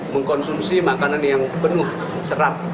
mengkonsumsi makanan yang penuh serat